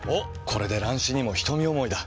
これで乱視にも瞳思いだ。